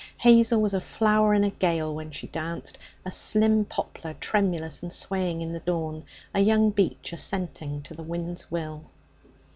Hazel was a flower in a gale when she danced, a slim poplar tremulous and swaying in the dawn, a young beech assenting to the wind's will.